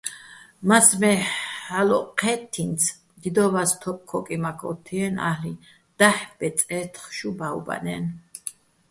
მაცმე ჰ̦ალო̆ ჴე́თთი́ნც, დიდო́ვას თოფ ქო́კიმაქ ო́თთჲიენი̆, ა́ლ'იჼ: დაჰ̦ ბეწე́თხ შუ ბა́ვბანაჲნო̆.